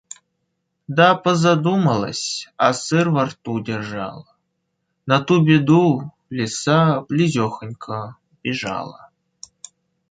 Да позадумалась, а сыр во рту держала. На ту беду Лиса близёхонько бежала;